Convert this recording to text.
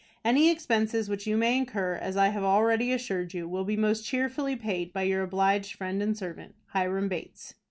Any expenses which you may incur, as I have already assured you, will be most cheerfully paid by your obliged friend and servant, "HIRAM BATES."